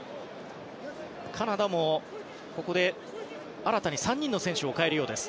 カナダもここで新たに３人の選手を代えるようです。